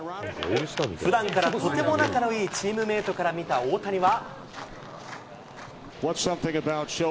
ふだんからとても仲のいいチームメートから見た大谷は。